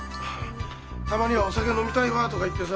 「たまにはお酒飲みたいわ」とか言ってさ